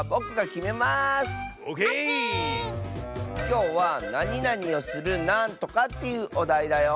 きょうはなになにをするなんとかっていうおだいだよ。